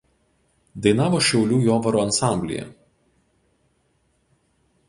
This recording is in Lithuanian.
Dainavo Šiaulių „Jovaro“ ansamblyje.